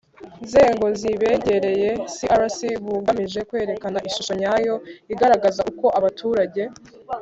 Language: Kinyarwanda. nzego zibegereye crc bugamije kwerekana ishusho nyayo igaragaza uko abaturage